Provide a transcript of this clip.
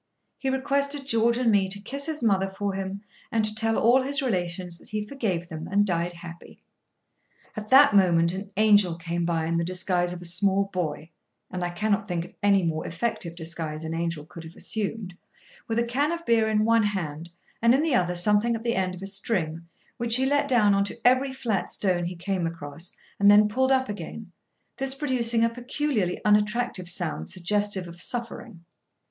He requested George and me to kiss his mother for him, and to tell all his relations that he forgave them and died happy. At that moment an angel came by in the disguise of a small boy (and I cannot think of any more effective disguise an angel could have assumed), with a can of beer in one hand, and in the other something at the end of a string, which he let down on to every flat stone he came across, and then pulled up again, this producing a peculiarly unattractive sound, suggestive of suffering.